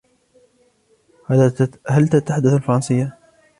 هل تتحدث الفرنسية ؟